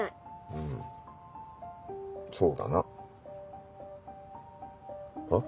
うんそうだな。は？